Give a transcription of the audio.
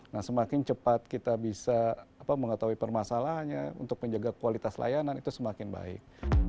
nah semakin cepat kita bisa mengetahui permasalahannya untuk menjaga kualitas layanan itu semakin baik